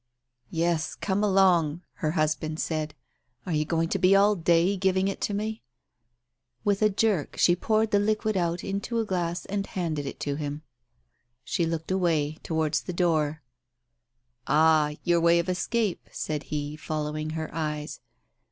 ... "Yes, come along!" her husband said. "Are you going to be all day giving it me ?" With a jerk, she poured the liquid out into a glass and handed it to him. She looked away — towards the door. ..." Ah, your way of escape !" said he, following her eyes.